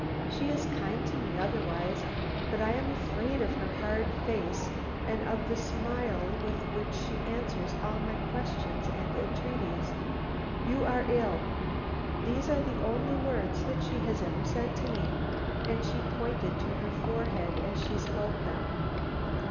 She is kind to me otherwise, but I am afraid of her hard face and of the smile with which she answers all my questions and entreaties. 'You are ill.' These are the only words that she has ever said to me, and she pointed to her forehead as she spoke them.